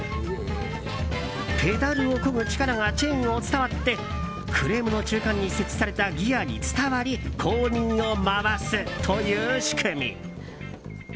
ペダルをこぐ力がチェーンを伝わってフレームの中間に設置されたギアに伝わり後輪を回すという仕組み。